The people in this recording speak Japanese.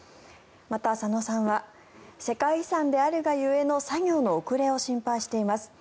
また、左野さんは世界遺産であるが故の作業の遅れを心配しています。